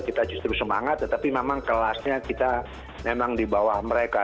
kita justru semangat tetapi memang kelasnya kita memang di bawah mereka